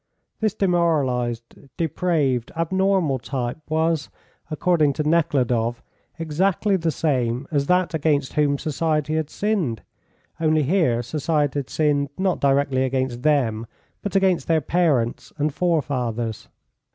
This demoralised, depraved, abnormal type was, according to Nekhludoff, exactly the same as that against whom society had sinned, only here society had sinned not directly against them, but against their parents and forefathers.